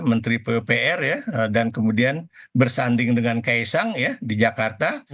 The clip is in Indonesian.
menteri pupr ya dan kemudian bersanding dengan kaisang ya di jakarta